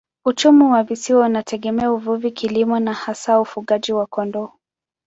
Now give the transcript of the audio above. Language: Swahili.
Uchumi wa visiwa unategemea uvuvi, kilimo na hasa ufugaji wa kondoo.